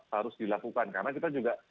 harus dilakukan karena kita juga